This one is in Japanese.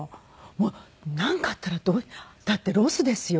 もうなんかあったらだってロスですよ。